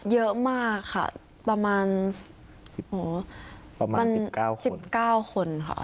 เยอะมากค่ะประมาณ๑๙คนค่ะ